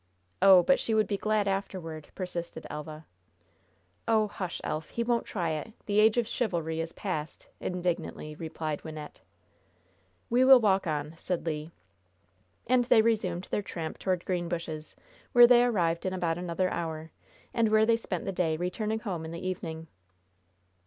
"Oh, but she would be glad afterward!" persisted Elva. "Oh, hush, Elf! He won't try it! The age of chivalry is past!" indignantly replied Wynnette. "We will walk on," said Le. And they resumed their tramp toward Greenbushes, where they arrived in about another hour, and where they spent the day, returning home in the evening.